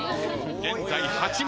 現在８枚。